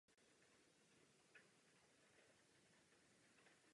V současné době je chráněn jako kulturní památka.